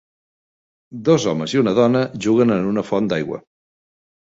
Dos homes i una dona juguen en una font d'aigua.